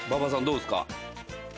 どうですか？